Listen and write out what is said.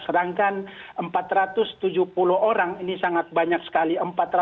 sedangkan empat ratus tujuh puluh orang ini sangat banyak sekali